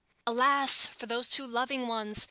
Alas! for those two loving ones!